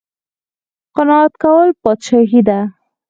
قناعت کول پادشاهي ده